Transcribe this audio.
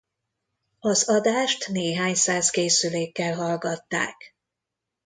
Az adást néhány száz készülékkel hallgatták.